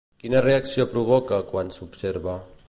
Quina reacció provoca quan s'observa?